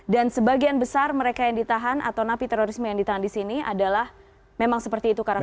dan sebagian besar mereka yang ditahan atau napi terorisme yang ditahan di sini adalah memang seperti itu karakteristiknya